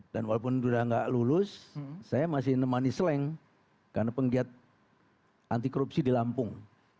dan walaupun sudah nggak lulus saya masih nemani seleng karena penggiat anti korupsi di lampung